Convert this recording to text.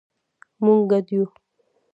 مونږ ګډ یو